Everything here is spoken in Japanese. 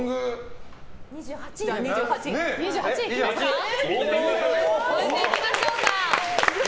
２８。超えていきましょうか。